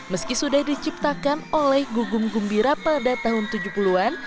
meski sudah diciptakan oleh gugum gumbira pada tahun tujuh puluh an